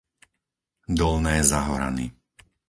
Dolné Zahorany